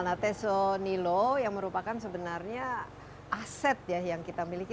nah teso nilo yang merupakan sebenarnya aset ya yang kita miliki